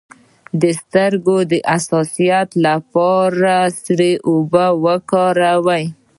د سترګو د حساسیت لپاره سړې اوبه وکاروئ